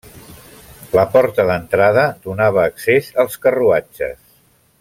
La porta d'entrada donava accés als carruatges.